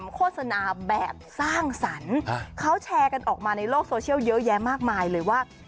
เขาแชร์กันออกมาในโลกโซเชียลเยอะแยะมากมายเลยว่า